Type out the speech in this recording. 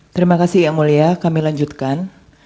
terima kasih yang mulia kami lanjutkan